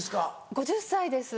５０歳です。